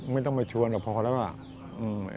ไม่ต้องมาชวนเลยพอเล่าละ